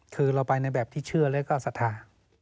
คือเราไปในแบบที่เชื่อแล้วก็ศรัทธา